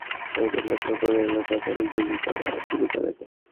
এরপর রেস্তোরাঁয় থাকা অন্য লোকদের লক্ষ্য করে এলোপাতাড়ি গুলি করা শুরু করেন।